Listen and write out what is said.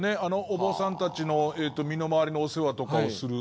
お坊さんたちの身の回りのお世話とかをする。